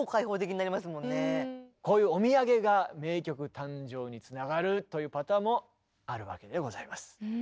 こういうお土産が名曲誕生につながるというパターンもあるわけでございます。